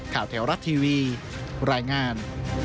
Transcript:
ข่าวแถวรัตทีวีรายงาน